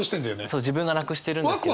そう自分がなくしてるんですけど。